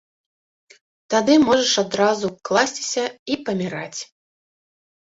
Тады можаш адразу класціся і паміраць.